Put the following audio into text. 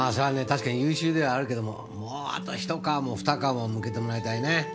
確かに優秀ではあるけどももうあと一皮も二皮もむけてもらいたいね。